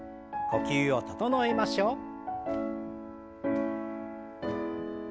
呼吸を整えましょう。